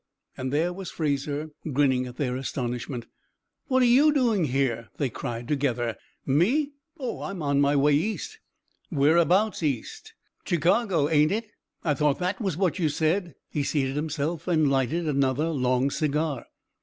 and there was Fraser grinning at their astonishment. "What are you doing here?" they cried, together. "Me? Oh, I'm on my way East." "Whereabouts East?" "Chicago, ain't it? I thought that was what you said." He seated himself and lighted another long cigar.